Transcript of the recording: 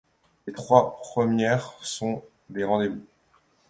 Les trois premières sont des rendez-vous.